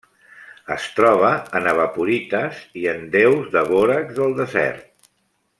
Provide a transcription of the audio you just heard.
Es troba en evaporites i en deus de bòrax del desert.